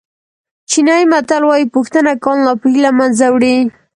چینایي متل وایي پوښتنه کول ناپوهي له منځه وړي.